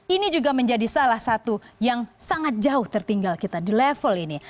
ini juga menjadi salah satu yang sangat jauh tertinggal kita di level ini